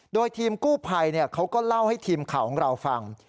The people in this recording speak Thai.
โดยทีมกู้ภัยเขาก็เล่าให้ทีมข่าวของเราฟัง